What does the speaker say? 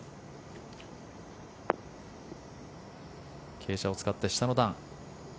傾斜を使って下の段。